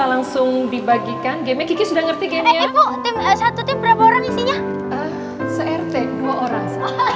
bisa langsung dibagikan game kiki sudah ngerti game ya ibu satu tim berapa orang isinya crt dua orang